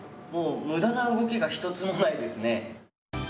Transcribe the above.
もう無駄な動きが一つもないですね。